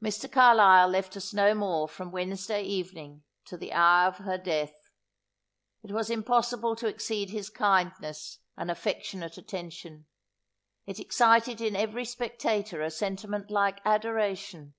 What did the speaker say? Mr. Carlisle left us no more from Wednesday evening, to the hour of her death. It was impossible to exceed his kindness and affectionate attention. It excited in every spectator a sentiment like adoration.